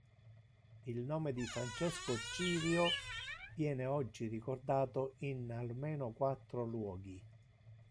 Il nome di Francesco Cirio viene oggi ricordato in almeno quattro luoghi.